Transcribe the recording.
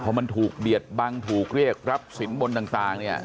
พอมันถูกเบียดบังถูกเรียกรับสินบนต่างเนี่ย